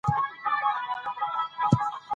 که ماري کوري وسایل پاک نه کړي، پایله به غلطه شي.